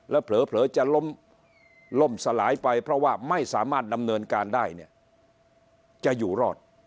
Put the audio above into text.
แล้วเผลอจะล้มล่มสลายไปเพราะว่าไม่สามารถดำเนินการได้เนี่ยจะอยู่รอด